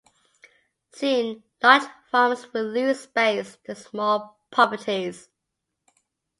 Soon large farms would lose space to small properties.